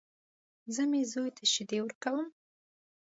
زه مې زوی ته شيدې ورکوم.